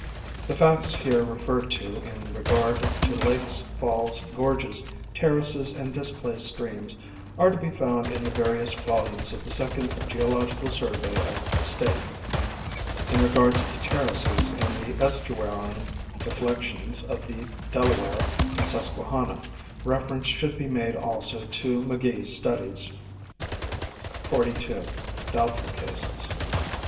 The facts here referred to in regard to lakes, falls, gorges, terraces and displaced streams are to be found in the various volumes of the Second Geological Survey of the State ;* in regard to the terraces and the estuarine deflections of the Delaware and Susquehanna, reference should be made also to McGee's studies.f 42. Doubtful cases.